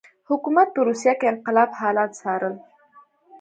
حکومت په روسیه کې انقلاب حالات څارل.